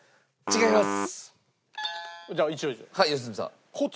違います。